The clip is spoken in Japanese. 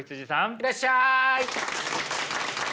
いらっしゃい。